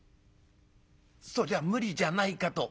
「そりゃ無理じゃないかと」。